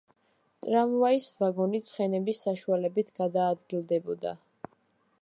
ტრამვაის ვაგონი ცხენების საშუალებით გადაადგილდებოდა.